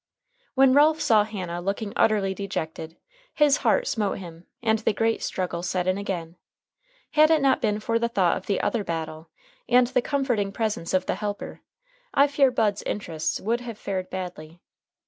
When Ralph saw Hannah looking utterly dejected, his heart smote him, and the great struggle set in again. Had it not been for the thought of the other battle, and the comforting presence of the Helper, I fear Bud's interests would have fared badly.